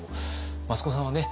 益子さんはね